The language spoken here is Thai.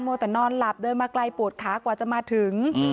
แต่นอนหลับเดินมาไกลปวดขากว่าจะมาถึง